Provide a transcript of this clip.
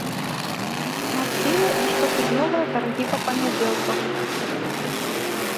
Матфея і штотыднёвыя таргі па панядзелках.